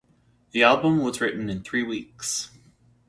The album was written in three weeks.